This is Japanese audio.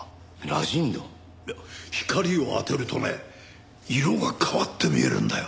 光を当てるとね色が変わって見えるんだよ。